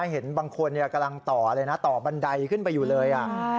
เห็นบางคนกำลังต่อเลยนะต่อบันไดขึ้นไปอยู่เลย